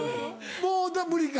もう無理か。